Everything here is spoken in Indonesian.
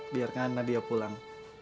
biarkan nadia pulang